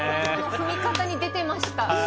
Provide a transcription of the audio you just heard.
踏み方に出てました葛藤が。